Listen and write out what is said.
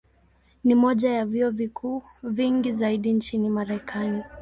Ni moja ya vyuo vikuu vingi zaidi nchini Marekani.